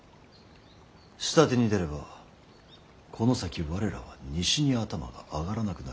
下手に出ればこの先我らは西に頭が上がらなくなります。